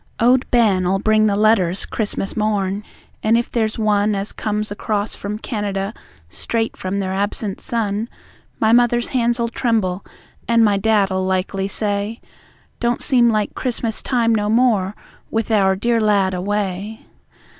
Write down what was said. Owd Ben'll bring the letters, Christmas morn, and if there's one As comes across from Canada straight from their absent son, My Mother's hands'll tremble, and my Dad'll likely say: "Don't seem like Christmas time no more, with our dear lad away."